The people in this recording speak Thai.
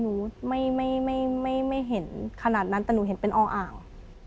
อเรนนี่อันนี้หนูไม่เห็นขนาดนั้นแต่หนูเห็นเป็นออ่าง